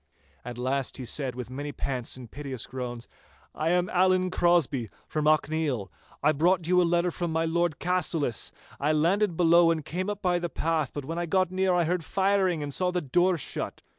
At last he said, with many pants and piteous groans, 'I am Allan Crosby, from Auchneil. I brought you a letter from my Lord Cassillis. I landed below and came up by the path, but when I got near I heard firing and saw the door shut.